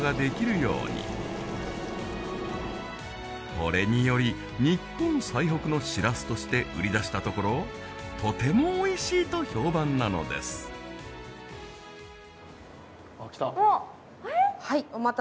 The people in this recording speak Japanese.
これにより日本最北のシラスとして売り出したところとてもおいしいと評判なのですあっ来た。